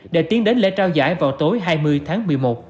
để tiến đến lễ trao giải vào tối hai mươi tháng một mươi một